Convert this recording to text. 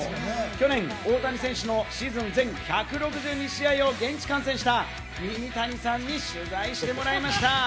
去年、大谷選手のシーズン全１６２試合を現地観戦したミニタニさんに取材してもらいました。